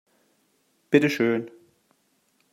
Bitte schön!